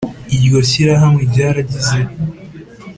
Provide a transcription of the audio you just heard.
iryo shyirahamwe ryaragize